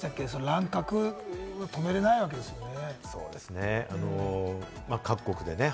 乱獲を止められないわけですかね？